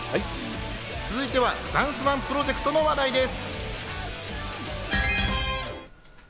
続いてはダンスＯＮＥプロジェクトの話題です。